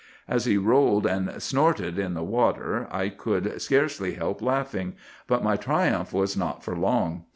"As he rolled and snorted in the water I could scarcely help laughing; but my triumph was not for long.